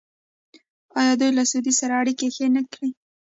آیا دوی له سعودي سره اړیکې ښې نه کړې؟